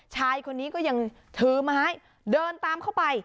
ชายคนนี้ก็ยังถือไม้เดินตามเข้าไป